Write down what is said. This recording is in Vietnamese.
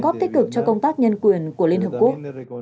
góp tích cực cho công tác nhân quyền của liên hợp quốc